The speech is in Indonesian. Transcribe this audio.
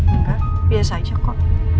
engga biasa aja kok